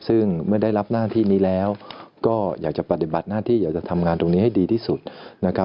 ซึ่งเมื่อได้รับหน้าที่นี้แล้วก็อยากจะปฏิบัติหน้าที่อยากจะทำงานตรงนี้ให้ดีที่สุดนะครับ